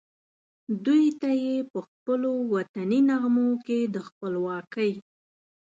دوی ته یې پخپلو وطني نغمو کې د خپلواکۍ